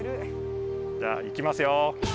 じゃいきますよ。